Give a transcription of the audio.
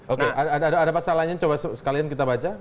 oke ada pasal lainnya coba sekalian kita baca